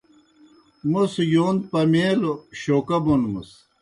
موْس یون پمَیلوْ شوکا بونمَس۔